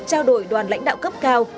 trao đổi đoàn lãnh đạo cấp cao